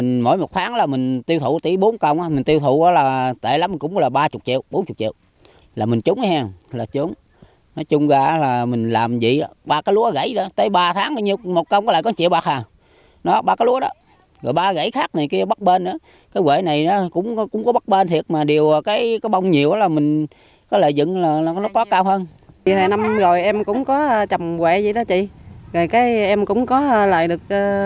hồi năm rồi em cũng có trồng quậy vậy đó chị rồi em cũng có lại được khoảng như trăm triệu vậy đó